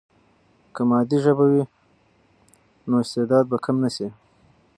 که مادي ژبه وي، نو استعداد به کم نه سي.